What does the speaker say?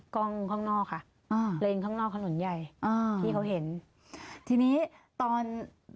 กล้องข้างนอกค่ะอ่าเลนข้างนอกถนนใหญ่อ่าที่เขาเห็นทีนี้ตอน